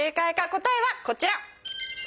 答えはこちら。